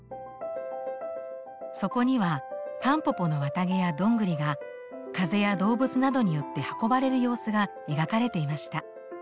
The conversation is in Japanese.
そこにはたんぽぽの綿毛やどんぐりが風や動物などによって運ばれる様子が描かれていました。